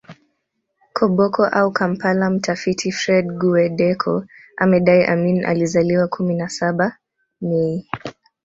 Koboko au Kampala Mtafiti Fred Guweddeko amedai Amin alizaliwa kumi na saba Mei